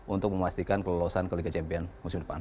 untuk memastikan kelolosan ke liga champion musim depan